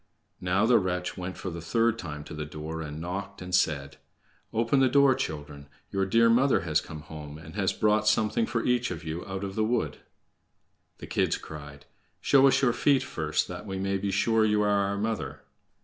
Now the wretch went for the third time to the door, and knocked and said: "Open the door, children. Your dear mother has come home, and has brought something for each of you out of the wood." The kids cried: "Show us your feet first, that we may be sure you are our mother."